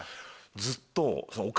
ずっと。